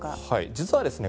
実はですね